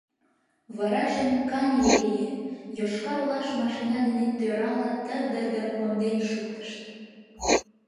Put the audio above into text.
Варажым каньыле лие: Йошкар-Олаш машина дене тӧрала тыр-дыр-дыр конден шуктышт.